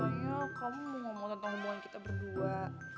katanya kamu gak mau tentang hubungan kita berdua